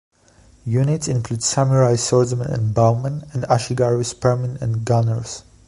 Units include samurai swordsmen and bowmen, and ashigaru spearmen and gunners.